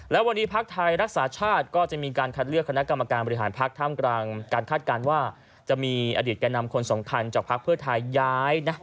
และวันนี้ภักดิ์ไทยรักษาชาติก็จะมีการคัดเลือกคณะกรรมการบริหารพักท่ามกลางการคาดการณ์ว่าจะมีอดีตแก่นำคนสำคัญจากภักดิ์เพื่อไทยย้ายนะ